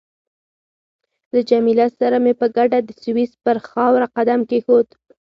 له جميله سره مې په ګډه د سویس پر خاوره قدم کېښود.